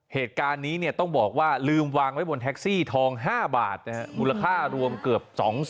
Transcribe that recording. เหตุการณ์นี้ต้องบอกว่าลืมวางไว้บนแท็กซี่ทอง๕บาทมูลค่ารวมเกือบ๒๐๐๐